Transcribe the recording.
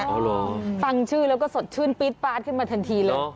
ฟังชื่อแล้วก็สดชื่นปี๊ดปาดขึ้นมาทันทีเลย